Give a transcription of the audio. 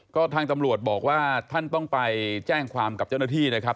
ก็ทางตำรวจบอกว่าท่านต้องไปแจ้งความกับเจ้าหน้าที่นะครับ